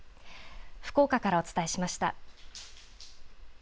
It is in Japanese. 福岡からお伝えしました。